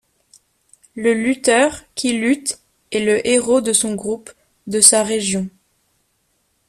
Le lutteur qui lutte est le héros de son groupe, de sa région.